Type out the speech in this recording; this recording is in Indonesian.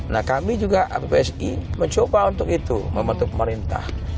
nah kami juga psi mencoba untuk itu membentuk pemerintah